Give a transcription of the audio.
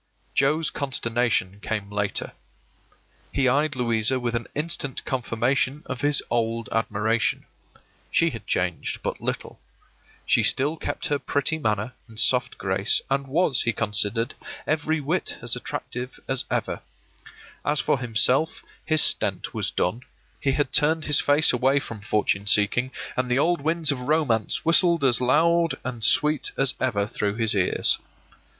Joe's consternation came later. He eyed Louisa with an instant confirmation of his old admiration. She had changed but little. She still kept her pretty manner and soft grace, and was, he considered, every whit as attractive as ever. As for himself, his stent was done; he had turned his face away from fortune seeking, and the old winds of romance whistled as loud and sweet as ever through his ears.